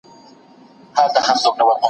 د دلارام سیند پر غاړه شنې لښتې او ونې ولاړې دي